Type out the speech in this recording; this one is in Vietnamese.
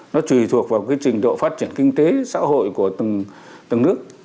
nó tùy thuộc vào cái trình độ phát triển kinh tế xã hội của từng nước